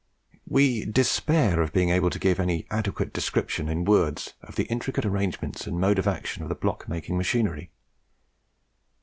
We despair of being able to give any adequate description in words of the intricate arrangements and mode of action of the block making machinery.